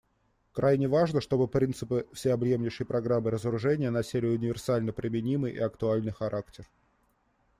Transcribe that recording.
Крайне важно, чтобы принципы всеобъемлющей программы разоружения носили универсально применимый и актуальный характер.